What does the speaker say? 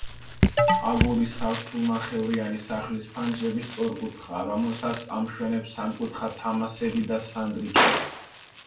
აგურის სართულნახევრიანი სახლის ფანჯრები სწორკუთხაა, რომელსაც ამშვენებს სამკუთხა თამასები და სანდრიკები.